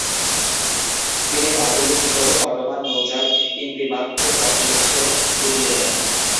তিনি বাতুমির নিকটে Ottoman নৌযান ইন্তিবাখকে torpedo ছুঁড়ে ডুবিয়ে দেন।